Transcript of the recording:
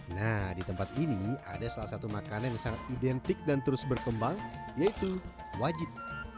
nah di tempat ini ada salah satu makanan yang sangat identik dan terus berkembang yaitu wajit